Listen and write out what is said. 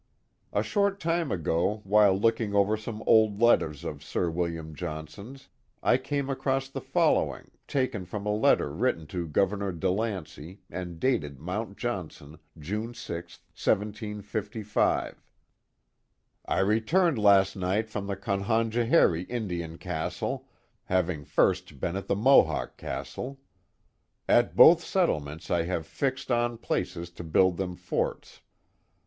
A short time ago, while looking over some old letters of Sir William Johnson's I came across the following, taken from a letter written to Governor DeLancey, and dated Mount Johnson, June 6, 1755: I returned last night from the Conhogohery Indian Castle, having first been at the Mohawk Castle. At Both settlements 1 have fixt on places to build them forts.